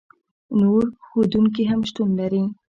نور ښودونکي هم شتون لري.